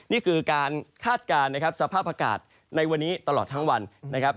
นี่คือการคาดการณ์นะครับสภาพอากาศในวันนี้ตลอดทั้งวันนะครับ